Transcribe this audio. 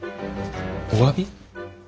おわび？